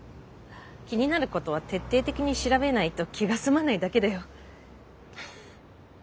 気になることは徹底的に調べないと気が済まないだけだよ。